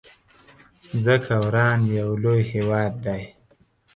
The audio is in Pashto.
څه که وران يو لوی هيواد دی